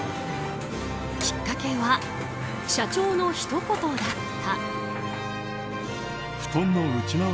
きっかけは社長のひと言だった。